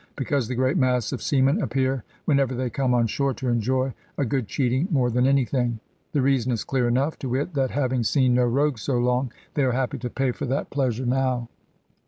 Because the great mass of seaman appear, whenever they come on shore, to enjoy a good cheating more than anything. The reason is clear enough to wit, that having seen no rogues so long, they are happy to pay for that pleasure now.